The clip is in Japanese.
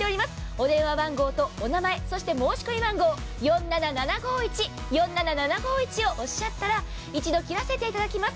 お電話番号とお名前、申し込み番号４７７５１をおっしゃったら一度切らせていただきます。